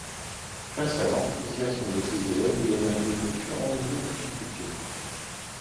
Face à l'enthousiasme de ses élèves, il a imaginé différents niveaux de difficulté.